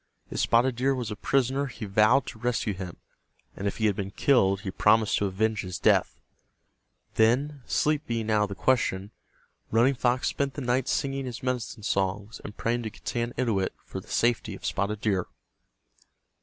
If Spotted Deer was a prisoner he vowed to rescue him, and if he had been killed he promised to avenge his death. Then, sleep being out of the question, Running Fox spent the night singing his medicine songs and praying to Getanittowit for the safety of Spotted Deer.